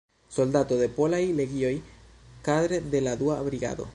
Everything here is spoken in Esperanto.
Soldato de Polaj Legioj kadre de la Dua Brigado.